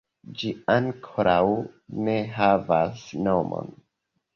Ĝi ankoraŭ ne havas nomon.